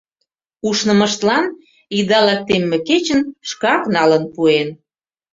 Ушнымыштлан идалык темме кечын шкак налын пуэн.